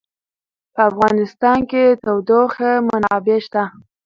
په افغانستان کې د تودوخه منابع شته.